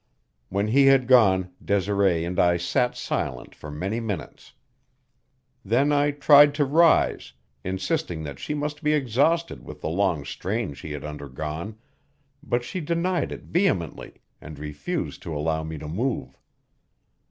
When he had gone Desiree and I sat silent for many minutes. Then I tried to rise, insisting that she must be exhausted with the long strain she had undergone, but she denied it vehemently, and refused to allow me to move.